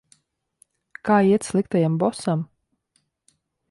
Kā iet sliktajam bosam?